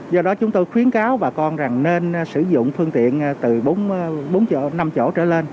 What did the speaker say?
do đó chúng tôi khuyến cáo bà con rằng nên sử dụng phương tiện từ bốn chỗ năm chỗ trở lên